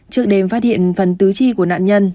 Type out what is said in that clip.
trước đêm phát hiện phần tứ chi của nạn nhân